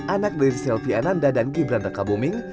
anak dari selvi ananda dan gibran rekabuming